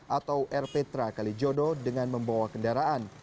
atau air petra kalijodo dengan membawa kendaraan